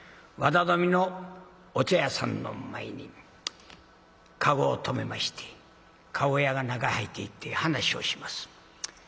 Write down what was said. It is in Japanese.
綿富のお茶屋さんの前に駕籠を止めまして駕籠屋が中へ入っていって話をします。